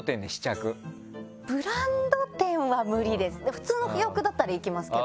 普通の洋服屋だったら行けますけど。